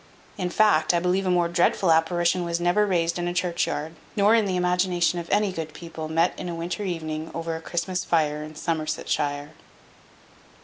In fact, I believe a more dreadful apparition was never raised in a church yard, nor in the imagination of any good people met in a winter evening over a Christmas fire in Somersetshire.